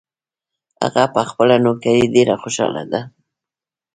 هغه په خپله نوکري ډېر خوشحاله ده